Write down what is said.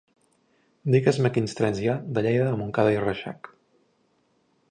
Digues-me quins trens hi ha de Lleida a Montcada i Reixac.